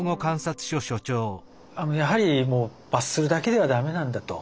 やはり罰するだけでは駄目なんだと。